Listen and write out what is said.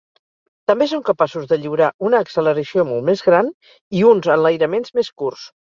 També són capaços de lliurar una acceleració molt més gran i uns enlairaments més curts.